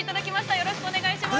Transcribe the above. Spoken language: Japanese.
よろしくお願いします。